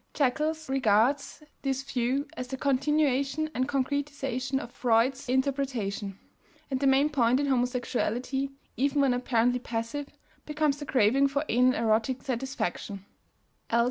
Jekels regards this view as the continuation and concretization of Freud's interpretation; and the main point in homosexuality, even when apparently passive, becomes the craving for anal erotic satisfaction (L.